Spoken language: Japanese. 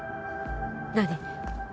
何？